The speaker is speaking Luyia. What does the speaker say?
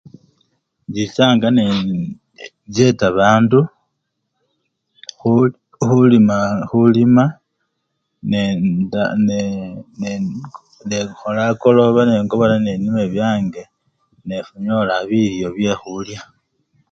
Inchichanga nee! njeta bandu kuhu!khulimaa! khulima nende! nekha! nekhola akoloba nengobola nenima ebyange nefuna byekhulya